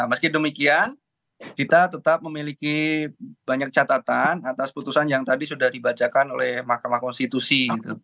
meski demikian kita tetap memiliki banyak catatan atas putusan yang tadi sudah dibacakan oleh mahkamah konstitusi